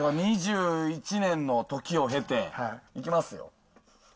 だから２１年の時を経て、いきますよ。